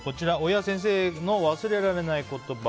親・先生の忘れられない言葉。